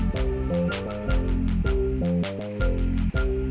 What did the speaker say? kamu pulang aja ya